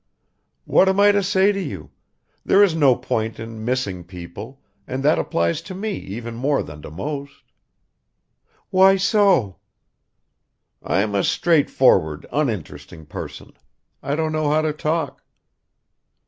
"What am I to say to you? There is no point in missing people, and that applies to me even more than to most." "Why so?" "I'm a straightforward uninteresting person. I don't know how to talk."